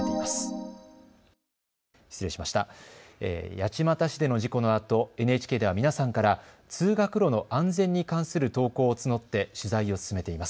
八街市での事故のあとＮＨＫでは皆さんから通学路の安全に関する投稿を募って取材を進めています。